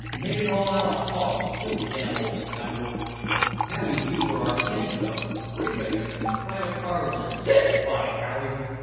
Made it all out of hogs, too, damn ole scoundrel. Now we see where our pennies go—rebates, an' private car lines—hic—by Harry!